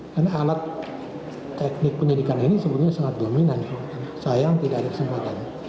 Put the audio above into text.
karena alat teknik penyelidikan ini sebetulnya sangat dominan sayang tidak ada kesempatan